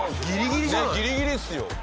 ギリギリっすよ。